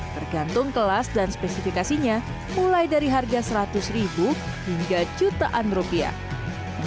tergantung kelas dan spesifikasinya mulai dari harga seratus ribu hingga jutaan rupiah